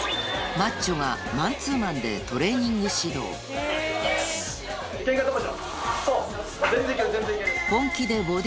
マッチョがマンツーマンでトレーニング指導できちゃいます